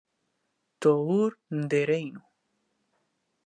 T'o-ur nde "Reino"!